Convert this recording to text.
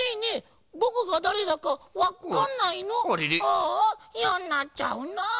「ああいやんなっちゃうな」。